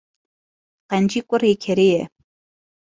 Qencî kurê kerê ye.